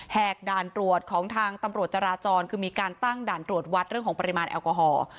กด่านตรวจของทางตำรวจจราจรคือมีการตั้งด่านตรวจวัดเรื่องของปริมาณแอลกอฮอล์